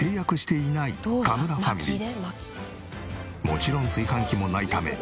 もちろん炊飯器もないため